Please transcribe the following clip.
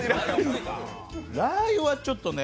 ラー油はちょっとね